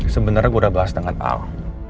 sebenarnya gue udah bahas dengan al